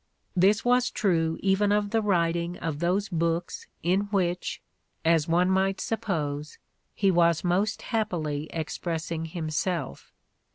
This was true even of the writing of those books In which, as one might suppose, he was most happily expressing himself.